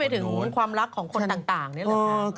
พออีกปีนึงไปถึงความรักของคนต่างนี่แหละค่ะ